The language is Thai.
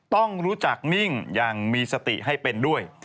ต้องรู้จักนิ่งอย่างมีสติให้เป็นด้วย